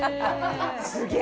すげえ！